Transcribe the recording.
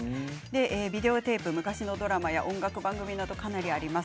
ビデオテープ、昔のドラマや音楽番組などかなりあります。